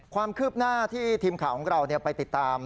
ความคืบหน้าที่ทีมข่าวของเราไปติดตาม